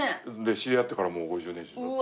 知り合ってからもう５０年以上でしょ？